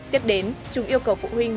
tiếp đến chúng yêu cầu phụ huynh